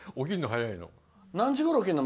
何時ごろ起きるの？